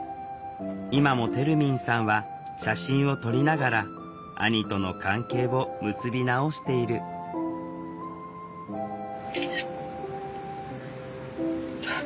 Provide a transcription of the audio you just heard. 今もてるみんさんは写真を撮りながら兄との関係を結び直している空。